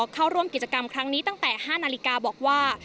เข้าร่วมกิจกรรมครั้งนี้ตั้งแต่๕นาฬิกาบอกว่า